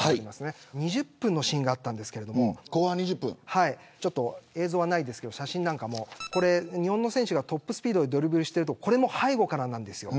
後半２０分のシーンがあったんですけれども映像はないんですけど日本の選手がトップスピードでドリブルしているところこれも背後からなんですよ。